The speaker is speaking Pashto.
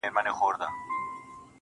• ستا ټولي كيسې لوستې.